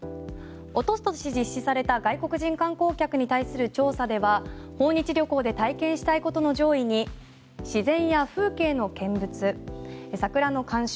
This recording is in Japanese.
一昨年実施された外国人観光客に対する調査では訪日旅行で体験したいことの上位に自然や風景の見物、桜の鑑賞